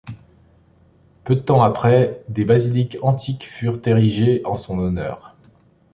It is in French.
Peu de temps après, des basiliques antiques furent érigées en son honneur.